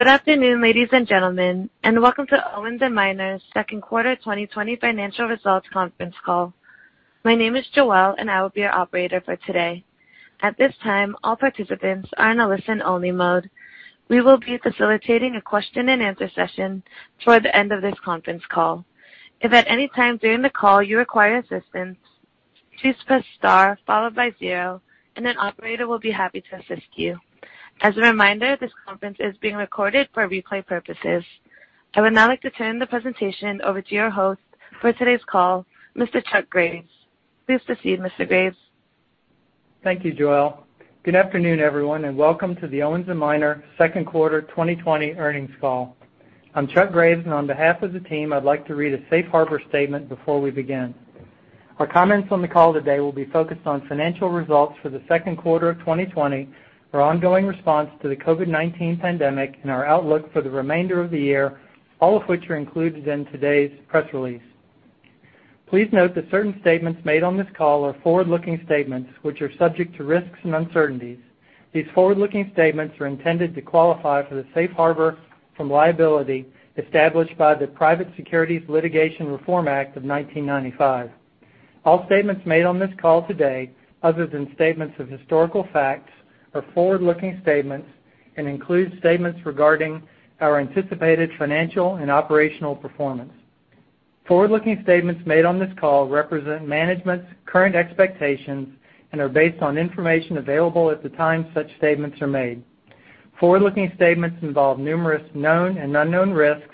Good afternoon, ladies and gentlemen, and welcome to Owens & Minor's second quarter 2020 financial results conference call. My name is Joelle, and I will be your operator for today. At this time, all participants are in a listen-only mode. We will be facilitating a question-and-answer session toward the end of this conference call. If at any time during the call you require assistance, please press star followed by zero, and an operator will be happy to assist you. As a reminder, this conference is being recorded for replay purposes. I would now like to turn the presentation over to your host for today's call, Mr. Chuck Graves. Please proceed, Mr. Graves. Thank you, Joelle. Good afternoon, everyone, and welcome to the Owens & Minor second quarter 2020 earnings call. I'm Chuck Graves, and on behalf of the team, I'd like to read a safe harbor statement before we begin. Our comments on the call today will be focused on financial results for the second quarter of 2020, our ongoing response to the COVID-19 pandemic, and our outlook for the remainder of the year, all of which are included in today's press release. Please note that certain statements made on this call are forward-looking statements which are subject to risks and uncertainties. These forward-looking statements are intended to qualify for the safe harbor from liability established by the Private Securities Litigation Reform Act of 1995. All statements made on this call today, other than statements of historical facts, are forward-looking statements and include statements regarding our anticipated financial and operational performance. Forward-looking statements made on this call represent management's current expectations and are based on information available at the time such statements are made. Forward-looking statements involve numerous known and unknown risks,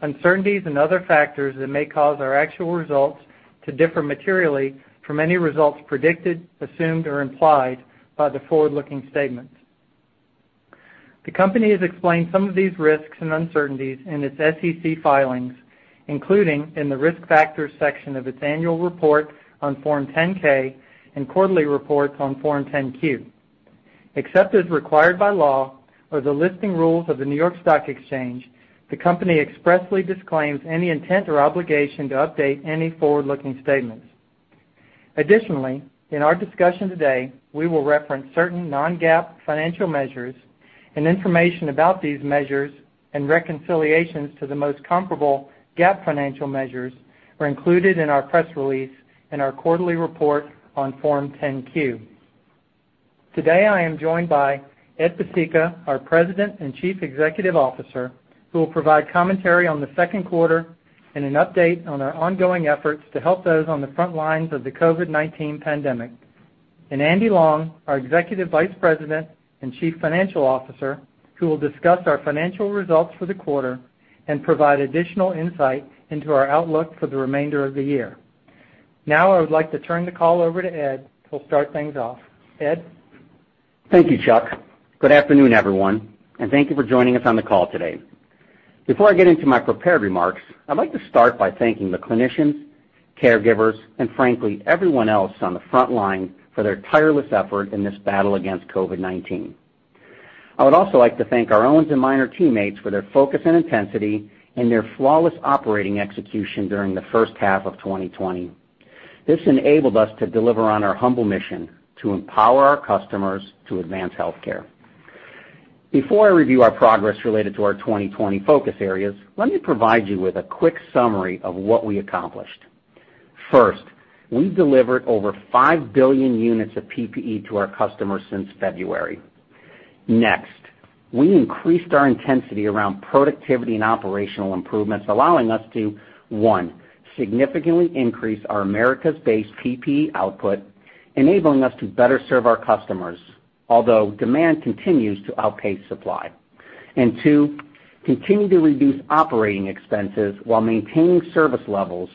uncertainties, and other factors that may cause our actual results to differ materially from any results predicted, assumed, or implied by the forward-looking statements. The company has explained some of these risks and uncertainties in its SEC filings, including in the Risk Factors section of its annual report on Form 10-K and quarterly reports on Form 10-Q. Except as required by law or the listing rules of the New York Stock Exchange, the company expressly disclaims any intent or obligation to update any forward-looking statements. Additionally, in our discussion today, we will reference certain non-GAAP financial measures, and information about these measures and reconciliations to the most comparable GAAP financial measures are included in our press release and our quarterly report on Form 10-Q. Today, I am joined by Ed Pesicka, our President and Chief Executive Officer, who will provide commentary on the second quarter and an update on our ongoing efforts to help those on the front lines of the COVID-19 pandemic, and Andy Long, our Executive Vice President and Chief Financial Officer, who will discuss our financial results for the quarter and provide additional insight into our outlook for the remainder of the year. Now, I would like to turn the call over to Ed, who'll start things off. Ed? Thank you, Chuck. Good afternoon, everyone, and thank you for joining us on the call today. Before I get into my prepared remarks, I'd like to start by thanking the clinicians, caregivers, and frankly, everyone else on the front line for their tireless effort in this battle against COVID-19. I would also like to thank our Owens & Minor teammates for their focus and intensity and their flawless operating execution during the first half of 2020. This enabled us to deliver on our humble mission to empower our customers to advance healthcare. Before I review our progress related to our 2020 focus areas, let me provide you with a quick summary of what we accomplished. First, we delivered over five billion units of PPE to our customers since February. Next, we increased our intensity around productivity and operational improvements, allowing us to, one, significantly increase our Americas-based PPE output, enabling us to better serve our customers, although demand continues to outpace supply. Two, continue to reduce operating expenses while maintaining service levels,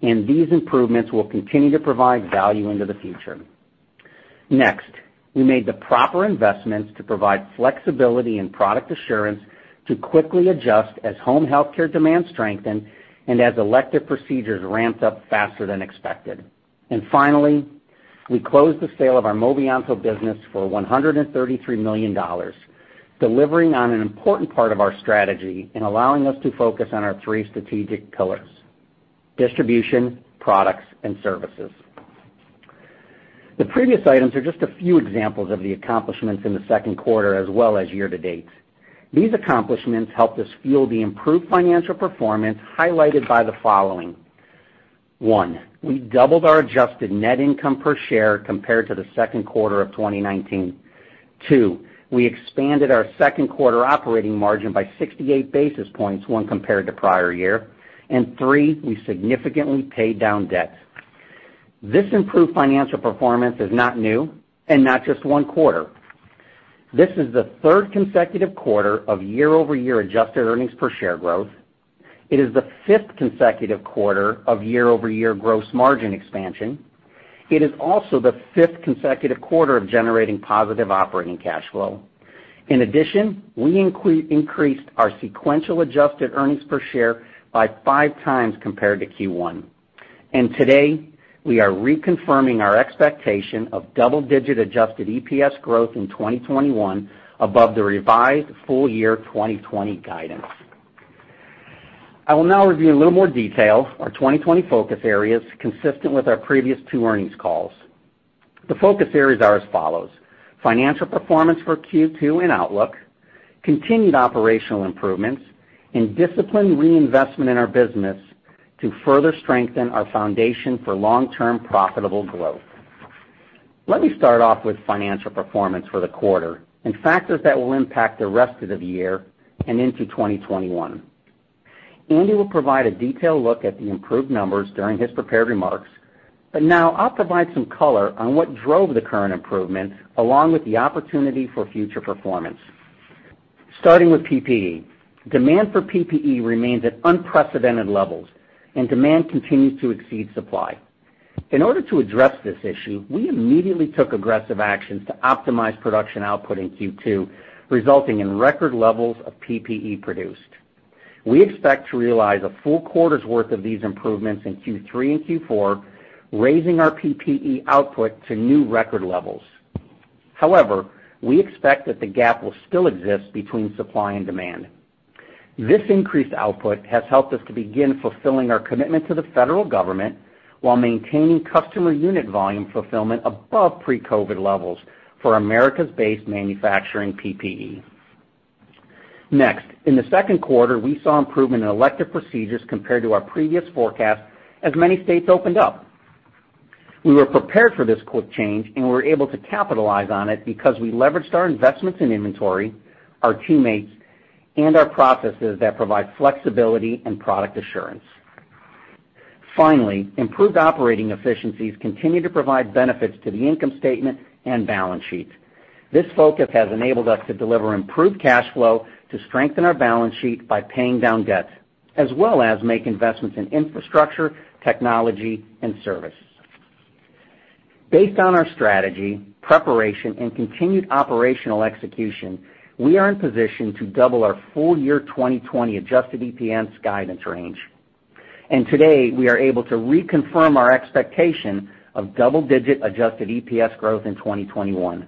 and these improvements will continue to provide value into the future. Next, we made the proper investments to provide flexibility and product assurance to quickly adjust as home healthcare demand strengthened and as elective procedures ramped up faster than expected. Finally, we closed the sale of our Movianto business for $133 million, delivering on an important part of our strategy and allowing us to focus on our three strategic pillars: distribution, products, and services. The previous items are just a few examples of the accomplishments in the second quarter as well as year-to-date. These accomplishments helped us fuel the improved financial performance highlighted by the following. One, we doubled our adjusted net income per share compared to the second quarter of 2019. Two, we expanded our second quarter operating margin by 68 basis points when compared to prior year. Three, we significantly paid down debt. This improved financial performance is not new and not just one quarter. This is the third consecutive quarter of year-over-year adjusted earnings per share growth. It is the fifth consecutive quarter of year-over-year gross margin expansion. It is also the fifth consecutive quarter of generating positive operating cash flow. In addition, we increased our sequential adjusted earnings per share by five times compared to Q1. Today, we are reconfirming our expectation of double-digit adjusted EPS growth in 2021 above the revised full-year 2020 guidance. I will now review a little more detail our 2020 focus areas consistent with our previous two earnings calls. The focus areas are as follows: financial performance for Q2 and outlook, continued operational improvements, and disciplined reinvestment in our business to further strengthen our foundation for long-term profitable growth. Let me start off with financial performance for the quarter and factors that will impact the rest of the year and into 2021. Andy will provide a detailed look at the improved numbers during his prepared remarks, but now I'll provide some color on what drove the current improvement, along with the opportunity for future performance. Starting with PPE. Demand for PPE remains at unprecedented levels, and demand continues to exceed supply. In order to address this issue, we immediately took aggressive actions to optimize production output in Q2, resulting in record levels of PPE produced. We expect to realize a full quarter's worth of these improvements in Q3 and Q4, raising our PPE output to new record levels. We expect that the gap will still exist between supply and demand. This increased output has helped us to begin fulfilling our commitment to the federal government while maintaining customer unit volume fulfillment above pre-COVID-19 levels for America-based manufacturing PPE. In the second quarter, we saw improvement in elective procedures compared to our previous forecast as many states opened up. We were prepared for this quick change and were able to capitalize on it because we leveraged our investments in inventory, our teammates, and our processes that provide flexibility and product assurance. Finally, improved operating efficiencies continue to provide benefits to the income statement and balance sheet. This focus has enabled us to deliver improved cash flow to strengthen our balance sheet by paying down debt, as well as make investments in infrastructure, technology, and service. Based on our strategy, preparation, and continued operational execution, we are in a position to double our full-year 2020 adjusted EPS guidance range. Today, we are able to reconfirm our expectation of double-digit adjusted EPS growth in 2021.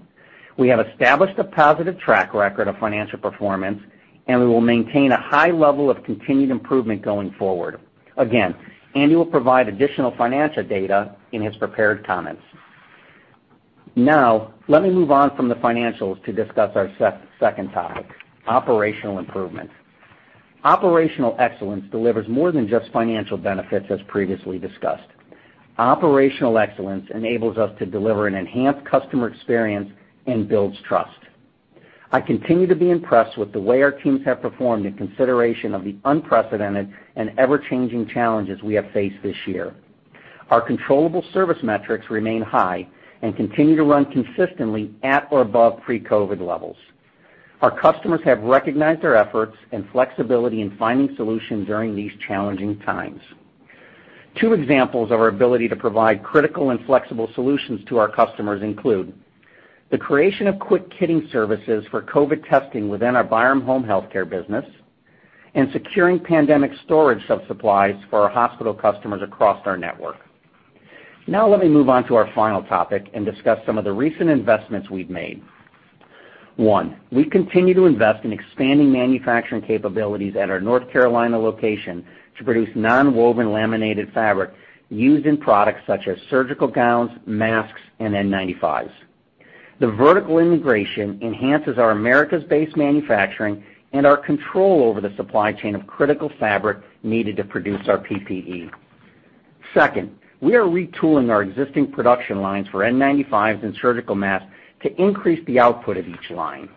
We have established a positive track record of financial performance, and we will maintain a high level of continued improvement going forward. Again, Andy will provide additional financial data in his prepared comments. Let me move on from the financials to discuss our second topic, operational improvement. Operational excellence delivers more than just financial benefits, as previously discussed. Operational excellence enables us to deliver an enhanced customer experience and build trust. I continue to be impressed with the way our teams have performed in consideration of the unprecedented and ever-changing challenges we have faced this year. Our controllable service metrics remain high and continue to run consistently at or above pre-COVID levels. Our customers have recognized our efforts and flexibility in finding solutions during these challenging times. Two examples of our ability to provide critical and flexible solutions to our customers include: the creation of quick kitting services for COVID testing within our Byram home Healthcare business, and securing pandemic storage of supplies for our hospital customers across our network. Let me move on to our final topic and discuss some of the recent investments we've made. One, we continue to invest in expanding manufacturing capabilities at our North Carolina location to produce nonwoven laminated fabric used in products such as surgical gowns, masks, and N95s. The vertical integration enhances our Americas-based manufacturing and our control over the supply chain of critical fabric needed to produce our PPE. Second, we are retooling our existing production lines for N95s and surgical masks to increase the output of each line.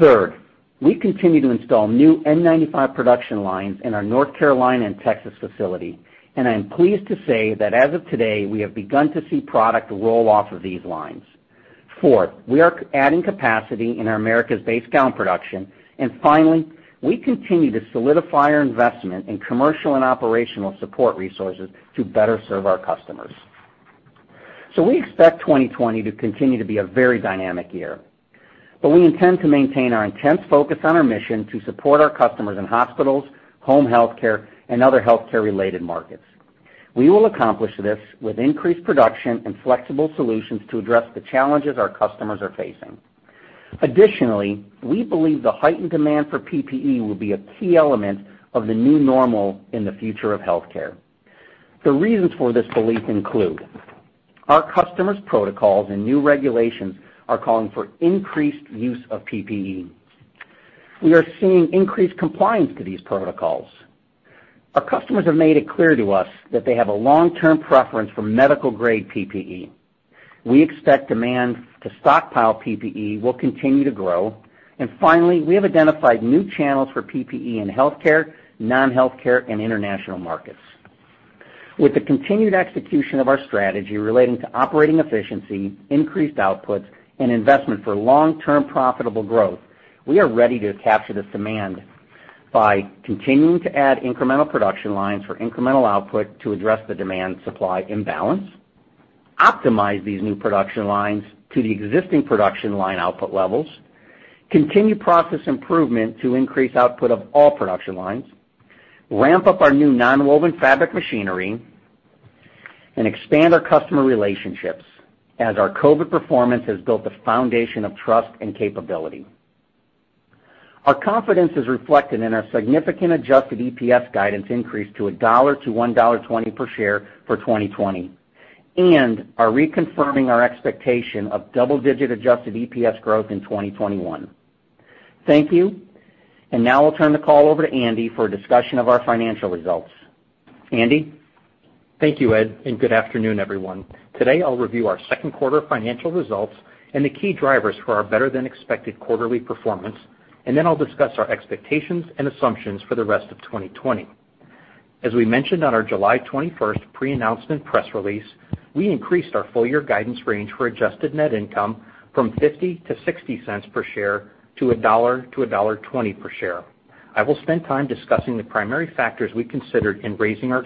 Third, we continue to install new N95 production lines in our North Carolina and Texas facility, and I am pleased to say that as of today, we have begun to see product roll off of these lines. Fourth, we are adding capacity in our Americas-based gown production. Finally, we continue to solidify our investment in commercial and operational support resources to better serve our customers. We expect 2020 to continue to be a very dynamic year, but we intend to maintain our intense focus on our mission to support our customers in hospitals, home health care, and other health care-related markets. We will accomplish this with increased production and flexible solutions to address the challenges our customers are facing. Additionally, we believe the heightened demand for PPE will be a key element of the new normal in the future of health care. The reasons for this belief include our customers' protocols and new regulations are calling for increased use of PPE. We are seeing increased compliance to these protocols. Our customers have made it clear to us that they have a long-term preference for medical-grade PPE. We expect demand to stockpile PPE will continue to grow. Finally, we have identified new channels for PPE in health care, non-health care, and international markets. With the continued execution of our strategy relating to operating efficiency, increased outputs, and investment for long-term profitable growth, we are ready to capture this demand by continuing to add incremental production lines for incremental output to address the demand-supply imbalance, optimize these new production lines to the existing production line output levels, continue process improvement to increase output of all production lines, ramp up our new nonwoven fabric machinery, and expand our customer relationships as our COVID performance has built a foundation of trust and capability. Our confidence is reflected in our significant adjusted EPS guidance increase to a $1-$1.20 per share for 2020, and are reconfirming our expectation of double-digit adjusted EPS growth in 2021. Thank you. Now I'll turn the call over to Andy for a discussion of our financial results. Andy? Thank you, Ed. Good afternoon, everyone. Today, I'll review our second-quarter financial results and the key drivers for our better-than-expected quarterly performance. Then I'll discuss our expectations and assumptions for the rest of 2020. As we mentioned on our July 21st pre-announcement press release, we increased our full-year guidance range for adjusted net income from $0.50-$0.60 per share to $1.00-$1.20 per share. I will spend time discussing the primary factors we considered in raising our